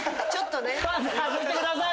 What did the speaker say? パンツ外してください。